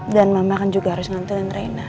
dan mama kan juga harus ngantuin reina